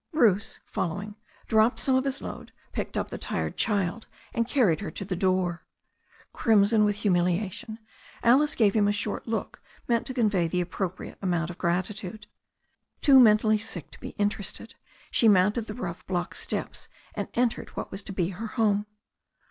Bruce, following, dropped some of his load, picked up the tired child, and carried her to the door. Crimson with humiliation, Alice gave him a short look meant to convey the appropriate amount of gratitude. Too mentally sick to be interested, she mounted the rough block steps and entered what was to be her home.